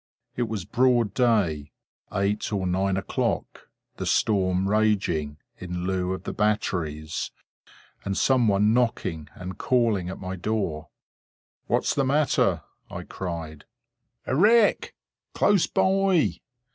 It was broad day—eight or nine o'clock; the storm raging, in lieu of the batteries; and some one knocking and calling at my door. "What is the matter?" I cried. "A wreck! Close by!"